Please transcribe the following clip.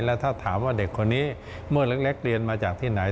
แล้วถ้าถามว่าเด็กคนนี้เมื่อเล็กเรียนมาจากที่ไหน